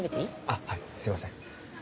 あっはいすいません。